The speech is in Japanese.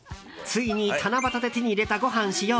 ついに七夕で手に入れたご飯を使用。